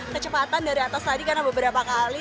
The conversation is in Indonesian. kecepatan dari atas tadi karena beberapa kali